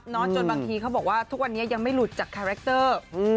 จนบางทีเขาบอกว่าทุกวันนี้ยังไม่หลุดจากคาแรคเตอร์